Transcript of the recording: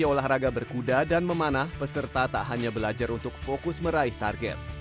olahraga berkuda dan memanah peserta tak hanya belajar untuk fokus meraih target